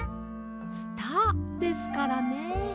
スターですからね。